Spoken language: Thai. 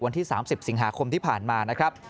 วันที่๓๐สิงหาคมที่ผ่านมานะครับ